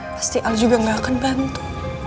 pasti al juga gak akan bantu